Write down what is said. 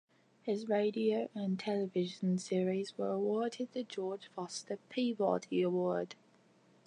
His radio and television series were awarded the George Foster Peabody Award.